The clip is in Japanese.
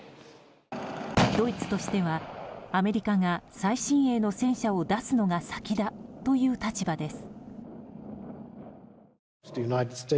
ドイツとしてはアメリカが最新鋭の戦車を出すのが先だという立場です。